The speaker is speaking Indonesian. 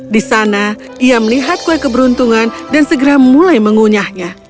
di sana ia melihat kue keberuntungan dan segera mulai mengunyahnya